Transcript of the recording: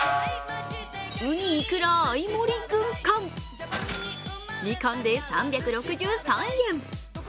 うにいくら合盛り軍艦２貫で３６３円。